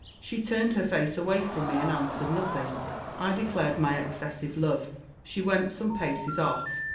She turned her face away from me and answered nothing. I declared my excessive love : she went some paces ofi".